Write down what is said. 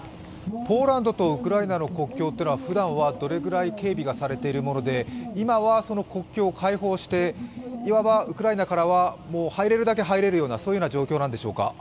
ポーランドとウクライナの国境はふだんはどのくらい警備がされているもので、今はその国境を開放して、いわばウクライナからは入れるだけ入れるような、そういう状況なんでしょうか？